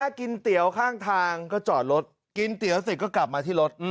ถ้ากินเตี๋ยวข้างทางก็จอดรถกินเตี๋ยวเสร็จก็กลับมาที่รถ